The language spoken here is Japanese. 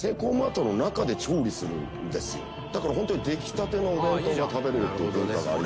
「だからホントに出来たてのお弁当が食べられるという文化がありまして」